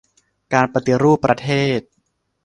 การปฏิรูปประเทศ